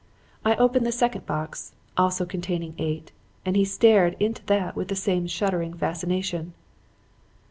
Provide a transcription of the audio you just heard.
I opened the second box also containing eight and he stared into that with the same shuddering fascination.